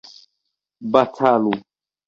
batalu